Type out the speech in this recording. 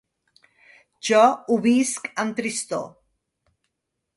Jo ho visc amb tristor.